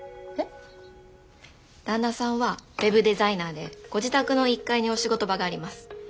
旦那さんはウェブデザイナーでご自宅の１階にお仕事場があります。